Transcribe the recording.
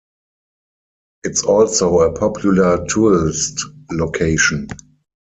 It's also a popular tourist location.